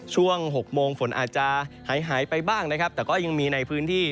ช่วง๖โมงฝนอาจจะหายหายไปบ้างนะครับแต่ก็ยังมีในพื้นที่